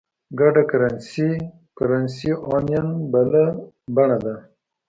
ګډه کرنسي یا Currency Union بله بڼه ده.